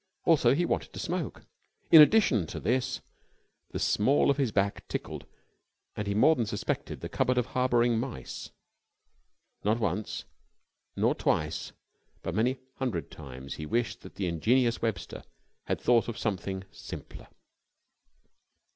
Also he wanted to smoke. In addition to this, the small of his back tickled, and he more than suspected the cupboard of harboring mice. Not once nor twice but many hundred times he wished that the ingenious Webster had thought of something simpler.